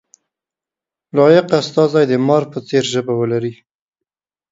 لایق استازی د مار په څېر ژبه ولري.